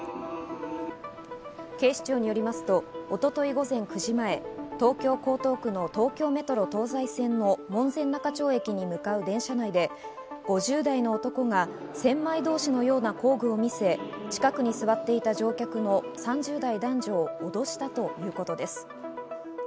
警視庁によりますと一昨日午前９時前、東京・江東区の東京メトロ東西線の門前仲町駅に向かう電車内で５０代の男が千枚通しのような工具を見せ、近くに座っていた乗客の３０代男女を脅したということです。